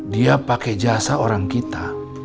dia pakai jasa orang kita